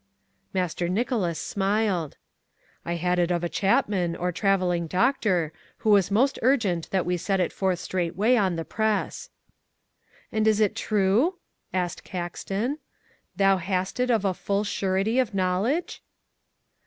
Master Nicholas smiled. "I had it of a chapman, or travelling doctor, who was most urgent that we set it forth straightway on the press." "And is it true?" asked Caxton; "thou hast it of a full surety of knowledge?"